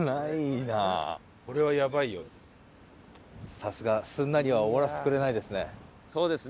さすがすんなりは終わらせてくれないですね。